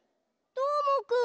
どーもくん！